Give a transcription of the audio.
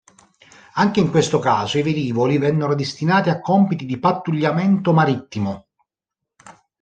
Anche in questo caso i velivoli vennero destinati a compiti di pattugliamento marittimo.